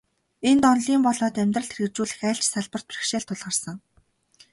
Энд, онолын болоод амьдралд хэрэгжүүлэх аль ч талбарт бэрхшээл тулгарсан.